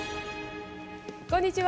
こんにちは。